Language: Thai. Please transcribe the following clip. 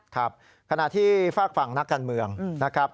ครับขณะที่ฝากฝั่งนักการเมืองนะครับ